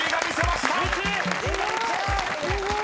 すごい。